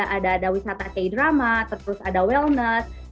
ada ada wisata k drama terus ada wellness